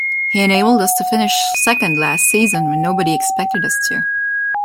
He enabled us to finish second last season when nobody expected us to.